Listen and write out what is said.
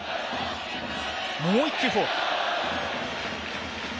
もう１球フォーク。